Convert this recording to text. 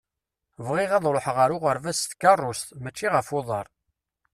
Bɣiɣ ad ṛuḥeɣ ar uɣerbaz s tkeṛṛust, mačči ɣef uḍaṛ.